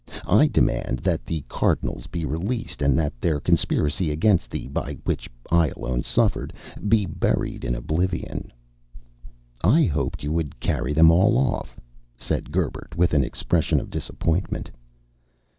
I demand that the Cardinals be released, and that their conspiracy against thee, by which I alone suffered, be buried in oblivion." "I hoped you would carry them all off," said Gerbert, with an expression of disappointment.